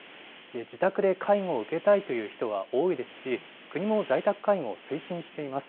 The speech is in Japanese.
自宅で介護を受けたいという人は多いですし、国も在宅介護を推進しています。